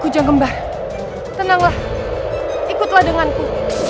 kujang gembar tenanglah ikutlah denganku